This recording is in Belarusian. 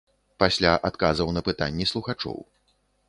Пасля адказаў на пытанні слухачоў.